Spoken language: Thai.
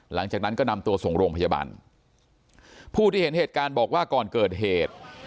หลังจากนั้นก็นำตัวส่งโรงพยาบาลผู้ที่เห็นเหตุการณ์บอกว่าก่อนเกิดเหตุ